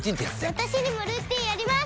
私にもルーティンあります！